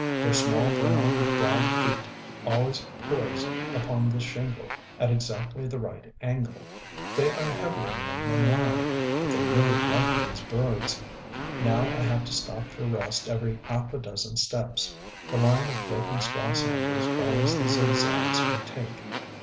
Their small brown broad feet always poise upon the shingle at exactly the right angle. They are heavier men than I; but they move lightly as birds.... Now I have to stop for rest every half a dozen steps.... The line of broken straw sandals follows the zigzags we take....